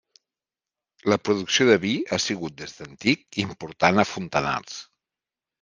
La producció de vi ha sigut des d'antic important a Fontanars.